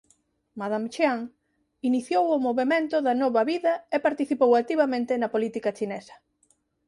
Madame Chiang iniciou o Movemento da nova vida e participou activamente na política chinesa.